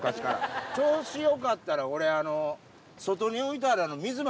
調子良かったら俺。